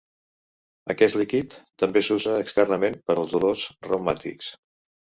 Aquest líquid també s'usa externament per als dolors reumàtics.